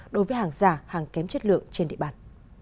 đối với hàng giả hàng kém chất lượng trên địa bàn